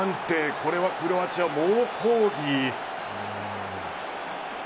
これはクロアチアも抗議。